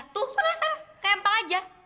tuh penasaran ke empang aja